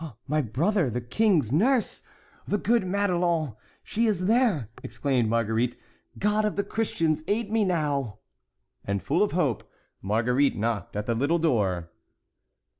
"My brother the king's nurse—the good Madelon—she is there!" exclaimed Marguerite. "God of the Christians, aid me now!" And, full of hope, Marguerite knocked at the little door.